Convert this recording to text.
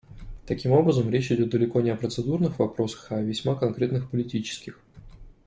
Таким образом, речь идет далеко не о процедурных вопросах, а о весьма конкретных политических.